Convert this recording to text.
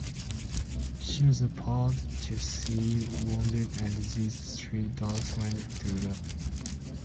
She was appalled to see wounded and diseased street dogs wandering through the town.